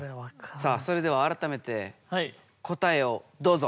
さあそれではあらためて答えをどうぞ！